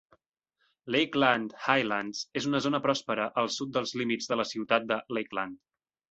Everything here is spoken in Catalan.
Lakeland Highlands és una zona pròspera al sud dels límits de la ciutat de Lakeland.